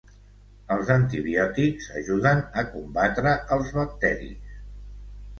Els antibiòtics ajuden a combatre els bacteris.